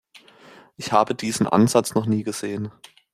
Ich habe diesen Ansatz noch nie gesehen.